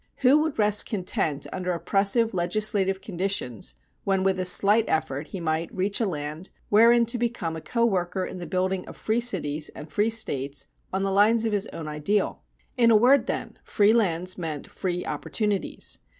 Who would rest content under oppressive legislative conditions when with a slight effort he might reach a land wherein to become a co worker in the building of free cities and free States on the lines of his own ideal? In a word, then, free lands meant free opportunities.